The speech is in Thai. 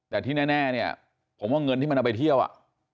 แต่ที่แน่เนี่ยผมว่าเงินที่มันเอาไปเที่ยวอ่ะ